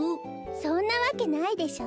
そんなわけないでしょ。